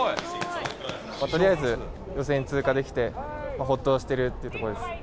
とりあえず予選通過できて、ほっとしているというところです。